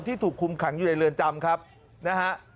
ถูกคุมขังอยู่ในเรือนจำครับนะฮะ